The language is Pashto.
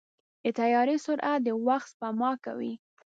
د طیارې سرعت د وخت سپما کوي.